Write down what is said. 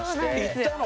行ったの？